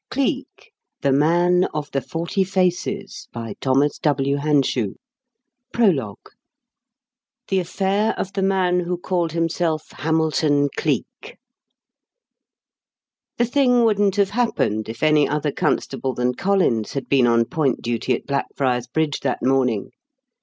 1912 CLEEK: THE MAN OF THE FORTY FACES PROLOGUE THE AFFAIR OF THE MAN WHO CALLED HIMSELF HAMILTON CLEEK The thing wouldn't have happened if any other constable than Collins had been put on point duty at Blackfriars Bridge that morning.